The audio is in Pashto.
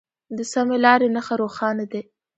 د سمې لارې نښه روښانه ده.